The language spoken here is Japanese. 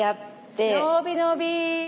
伸び伸び。